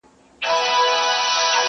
نه به سر ته وي امان د غریبانو٫